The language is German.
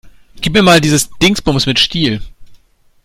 Gib mir mal dieses Dingsbums mit Stiel.